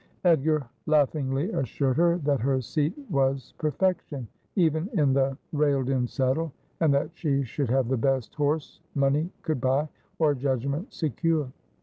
311 Edgar laughingly assured her that her seat was perfection, even in the railed in saddle, and that she should have the best horse money could buy, or judgment secure.